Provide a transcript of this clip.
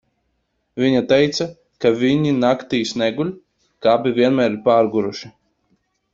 Viņa teica, ka viņi naktīs neguļ, ka abi vienmēr ir pārguruši.